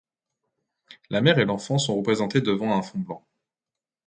La Mère et l'Enfant sont représentés devant un fond blanc.